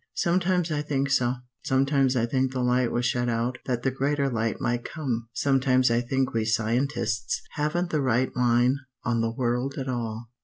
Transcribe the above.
"Sometimes I think so. Sometimes I think the light was shut out that the greater light might come. Sometimes I think we scientists haven't the right line on the world at all.